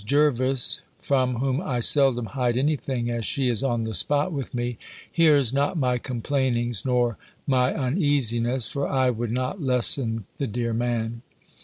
Jervis, from whom I seldom hide any thing, as she is on the spot with me, hears not my complainings, nor my uneasiness; for I would not lessen the dear man.